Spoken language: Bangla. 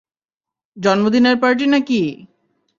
জন্মদিনের পার্টি নাকি?